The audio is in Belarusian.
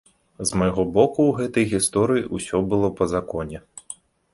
З майго боку ў гэтай гісторыі ўсё было па законе.